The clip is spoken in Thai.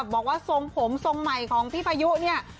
บอกว่าทรงผมทรงใหม่ของพี่พายุเนี่ย